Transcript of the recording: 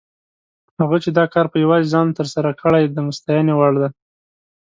هغه چې دا کار په یوازې ځان تر سره کړی، د ستاینې وړ دی.